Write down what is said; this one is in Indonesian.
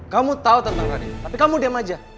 kamu tau tentang radit tapi kamu diem aja